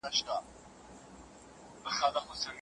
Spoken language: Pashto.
سياسي واک بايد د شخصي ګټو له پاره ونه کارول سي.